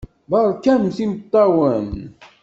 Beṛkamt imeṭṭawen.